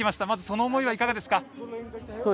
まずその思いはいかがですか。